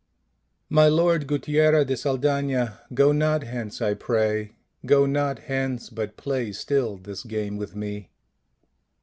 " My Lord Guttiera de Saldana, go not hence I pray, go not hence, but play still this game with me."